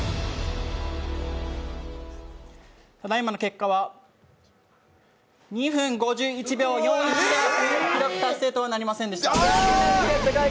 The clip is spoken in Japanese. ただいまの結果は２分５１秒、記録達成とはなりませんでした。